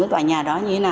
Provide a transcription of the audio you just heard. của tòa nhà đó